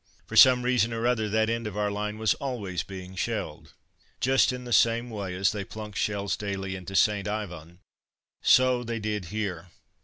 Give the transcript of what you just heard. For some reason or other that end of our line was always being shelled. Just in the same way as they plunked shells daily into St. Yvon, so they did here.